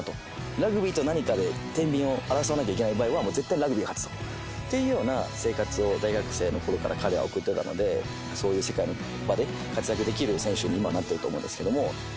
ラグビーと何かでてんびんを争わないといけない場合は、もう絶対ラグビーが勝つっていう生活を大学生のころから彼は送ってたので、そういう世界の場で活躍できる選手に、今なってると思うんですけ